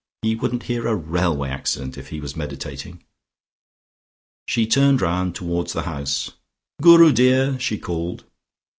He wouldn't hear a railway accident if he was meditating." She turned round towards the house. "Guru, dear!" she called.